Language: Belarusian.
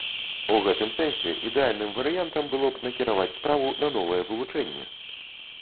У гэтым сэнсе ідэальным варыянтам было б накіраваць справу на новае вывучэнне.